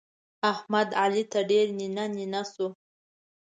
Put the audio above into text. احمد؛ علي ته ډېر نينه نينه سو.